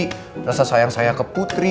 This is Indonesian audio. perasaan saya ke putri rasa sayang saya ke putri